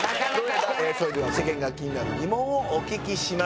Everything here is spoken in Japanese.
それでは世間が気になる疑問をお聞きしましょう。